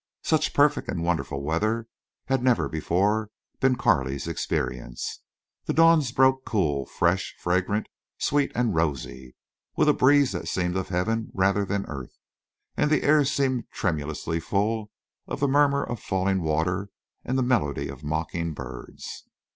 Such perfect and wonderful weather had never before been Carley's experience. The dawns broke cool, fresh, fragrant, sweet, and rosy, with a breeze that seemed of heaven rather than earth, and the air seemed tremulously full of the murmur of falling water and the melody of mocking birds.